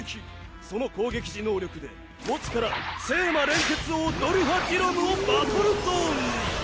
その攻撃時能力で墓地から聖魔連結王ドルファディロムをバトルゾーンに。